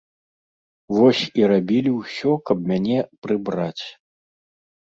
Вось і рабілі ўсё, каб мяне прыбраць.